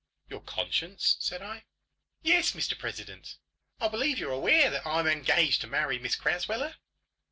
"Your conscience?" said I. "Yes, Mr President. I believe you're aware that I am engaged to marry Miss Crasweller?"